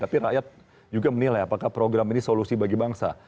tapi rakyat juga menilai apakah program ini solusi bagi bangsa